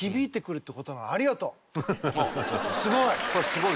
すごい！